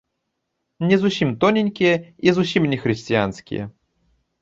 Не зусім тоненькія і зусім не хрысціянскія.